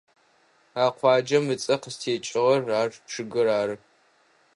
А къуаджэм ыцӏэ къызтекӏыгъэр а чъыгыр ары.